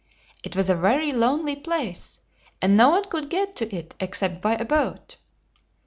It was a very lonely place, and no one could get to it except by a boat.